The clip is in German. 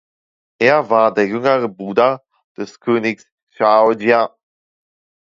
Er war der jüngere Bruder des Königs Xiao Jia.